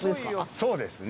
そうですね。